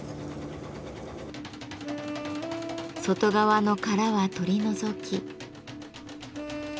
外側の殻は取り除き。